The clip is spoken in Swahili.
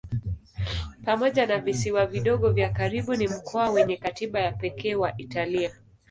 Pamoja na visiwa vidogo vya karibu ni mkoa wenye katiba ya pekee wa Italia.